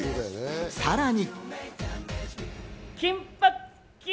さらに。